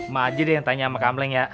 mak saja yang tanya sama kampleng ya